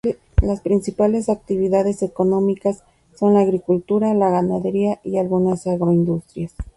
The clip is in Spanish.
Las principales actividades económicas son la agricultura, la ganadería y algunas agroindustrias.